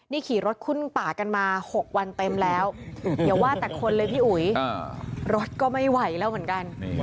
นี่ขี่รถขึ้นป่ากันมา๖วันเต็มแล้วอย่าว่าแต่คนเลยพี่อุ๋ยรถก็ไม่ไหวแล้วเหมือนกัน